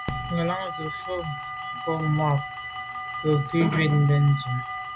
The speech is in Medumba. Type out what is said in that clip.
Ngelan ze mfùag ko là mbwôg nke ngù wut ben ndume.